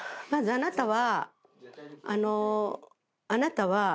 あなたは。